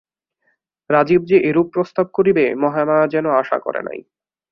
রাজীব যে এরূপ প্রস্তাব করিবে মহামায়া যেন আশা করে নাই।